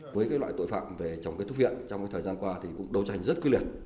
với loại tội phạm về trồng cây thuốc viện trong thời gian qua thì cũng đấu tranh rất quyết liệt